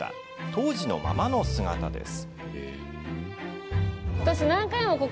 当時のままの姿です。